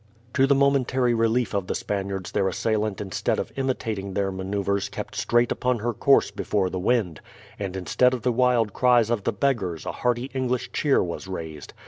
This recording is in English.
To the momentary relief of the Spaniards their assailant instead of imitating their maneuvers kept straight upon her course before the wind, and instead of the wild cries of the beggars a hearty English cheer was raised.